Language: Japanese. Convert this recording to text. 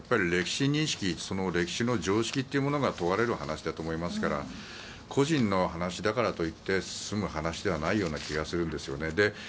歴史認識その歴史の常識というものが問われる話だと思いますから個人の話だからと言って済む話ではないような気がするんですよね。